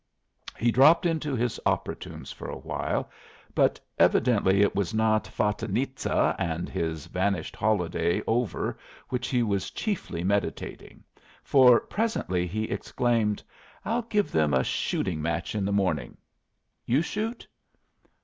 He dropped into his opera tunes for a while; but evidently it was not "Fatinitza" and his vanished holiday over which he was chiefly meditating, for presently he exclaimed: "I'll give them a shooting match in the morning. You shoot?"